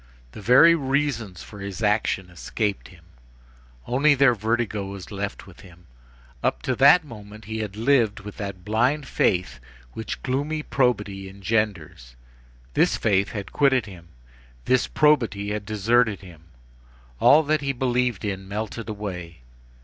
The very reasons for his action escaped him; only their vertigo was left with him. Up to that moment he had lived with that blind faith which gloomy probity engenders. This faith had quitted him, this probity had deserted him. All that he had believed in melted away.